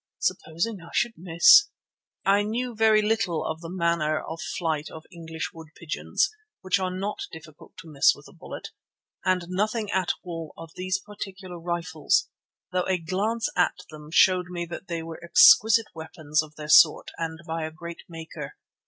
Supposing I should miss! I knew very little of the manner of flight of English wood pigeons, which are not difficult to miss with a bullet, and nothing at all of these particular rifles, though a glance at them showed me that they were exquisite weapons of their sort and by a great maker.